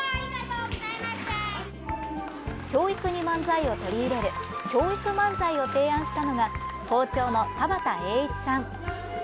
教育に漫才を取り入れる教育漫才を提案したのが校長の田畑栄一さん。